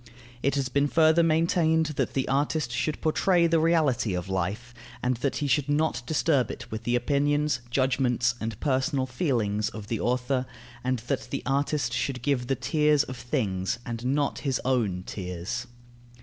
It has been further maintained that the artist should portray the reality of life, and that he should not disturb it with the opinions, judgments, and personal feelings of the author, and that the artist should give the tears of things and not his own tears.